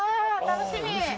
楽しみ